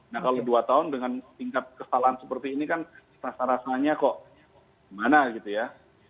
nah kalau dua tahun dengan tingkat kesalahan seperti ini kan rasa rasanya kok gimana gitu ya